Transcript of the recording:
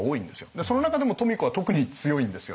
でその中でも富子は特に強いんですよね。